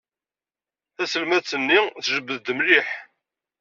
Taselmadt-nni tjebbed-d mliḥ.